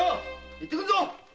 行ってくるぞ。